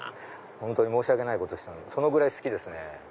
本当に申し訳ないことをしたそのぐらい好きですね。